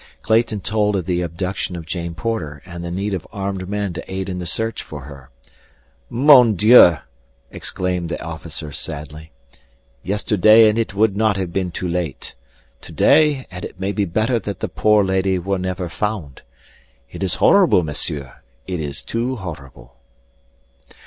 Clayton told of the abduction of Jane Porter and the need of armed men to aid in the search for her. "Mon Dieu!" exclaimed the officer, sadly. "Yesterday and it would not have been too late. Today and it may be better that the poor lady were never found. It is horrible, Monsieur. It is too horrible."